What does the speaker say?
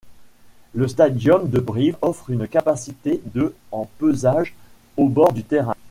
Le Stadium de Brive offre une capacité de en pesage, au bord du terrain.